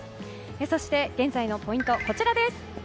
そして、現在のポイントこちらです。